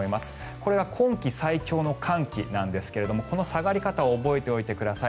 これは今季最強の寒気なんですがこの下がり方を覚えておいてください。